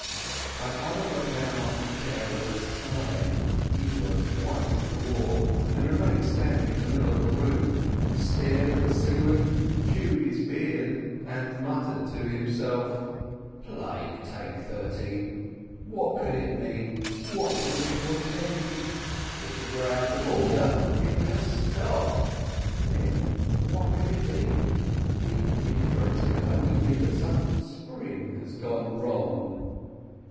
My father got down off the chair with a sigh. He was as white as the wall, and remained standing in the middle of the room, stared at the ceiling, chewed his beard, and muttered to himself: THE CLOCK 119 "Plague take thirteen! What can it mean? What does it portend ? If it were out of order, it would have stopped. Then, what can it he ? The inference can only be that some spring has gone wrong."